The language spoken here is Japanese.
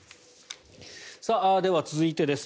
では、続いてです。